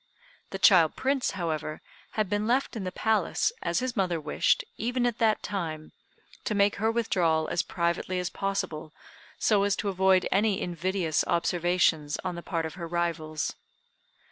The child Prince, however, had been left in the Palace, as his mother wished, even at that time, to make her withdrawal as privately as possible, so as to avoid any invidious observations on the part of her rivals.